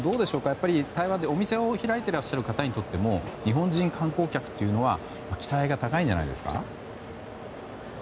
やっぱり台湾でお店を開いていらっしゃる方にとっても日本人観光客というのは期待が高いんじゃないですか？